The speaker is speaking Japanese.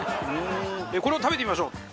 これを食べてみましょう。